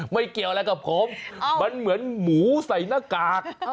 เกี่ยวอะไรกับผมมันเหมือนหมูใส่หน้ากาก